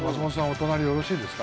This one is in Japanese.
お隣よろしいですか？